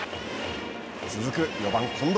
続く４番、近藤。